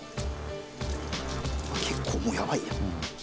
結構もうやばいやん。